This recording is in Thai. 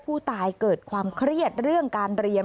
ผู้ตายเกิดความเครียดเรื่องการเรียน